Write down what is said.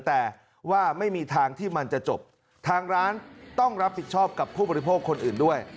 แต่ว่าไม่มีทางที่มันจะจบทางร้านต้องรับผิดชอบกับผู้บริโภคคนอื่นด้วย